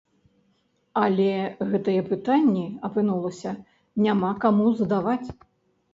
Але гэтыя пытанні, апынулася, няма каму задаваць!